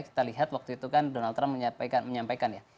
kita lihat waktu itu kan donald trump menyampaikan ya